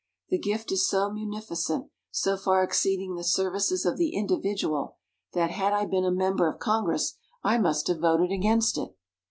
"The gift is so munificent, so far exceeding the services of the individual, that, had I been a member of Congress, I must have voted against it!"